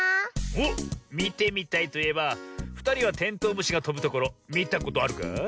おっみてみたいといえばふたりはテントウムシがとぶところみたことあるか？